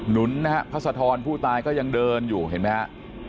นุนนะฮะพัศธรผู้ตายก็ยังเดินอยู่เห็นไหมฮะ